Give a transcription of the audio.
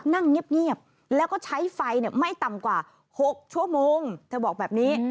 นั่งเงียบแล้วก็ใช้ไฟไม่ต่ำกว่า๖ชั่วโมงเธอบอกแบบนี้